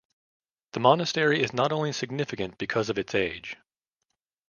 The monastery is not only significant because of its age.